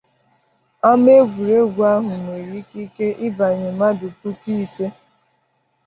Ama egwuregwu ahụ nwere ikike ibanye mmadụ puku ise.